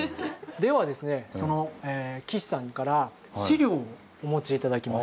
ではですね岸さんから資料をお持ち頂きます。